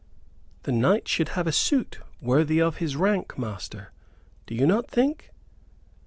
"The knight should have a suit worthy of his rank, master, do you not think?"